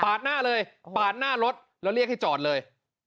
หน้าเลยปาดหน้ารถแล้วเรียกให้จอดเลย